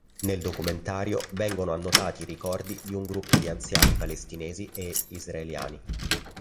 Nel documentario vengono annotati i ricordi di un gruppo di anziani palestinesi e israeliani.